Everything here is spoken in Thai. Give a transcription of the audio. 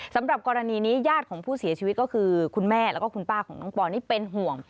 สำหรับกรณีนี้ญาติของผู้เสียชีวิตก็คือคุณแม่แล้วก็คุณป้าของน้องปอนนี่เป็นห่วง